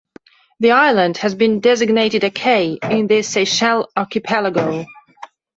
The island has been designated a cay, in the Seychelles Archipelago.